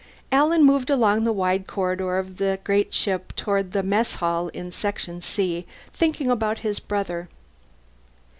Alan moved along the wide corridor of the great ship toward the mess hall in Section C, thinking about his brother.